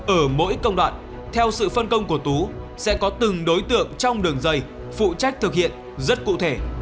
ở mỗi công đoạn theo sự phân công của tú sẽ có từng đối tượng trong đường dây phụ trách thực hiện rất cụ thể